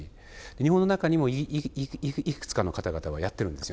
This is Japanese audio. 日本の中でもいくつかの方々はやっています。